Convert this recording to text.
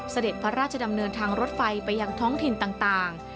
เสด็จพระราชดำเนินทางรถไฟไปยังท้องถิ่นต่าง